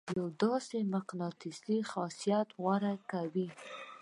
يو داسې مقناطيسي خاصيت غوره کوي.